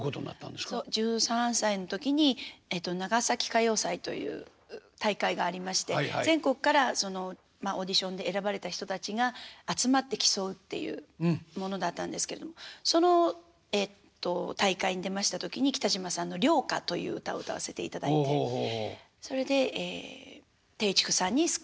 そう１３歳の時に長崎歌謡祭という大会がありまして全国からオーディションで選ばれた人たちが集まって競うっていうものだったんですけどその大会に出ました時に北島さんの「漁歌」という歌を歌わせていただいてそれでテイチクさんにスカウトをしていただきました。